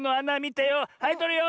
はいとるよ。